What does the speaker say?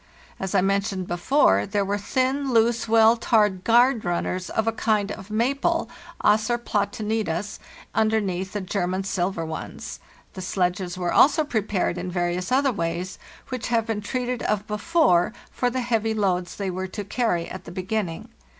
As I mentioned before, there were thin, loose, well tarred guard runners of a kind of maple (Acer fplatonides) underneath the German silver ones. The sledges were also prepared in various other ways, Which have been treated of before, for the heavy loads they were to carry at the beginning.